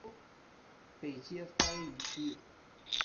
北接番禺区。